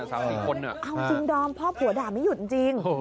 เอาจริงดอมพ่อผัวด่าไม่หยุดจริง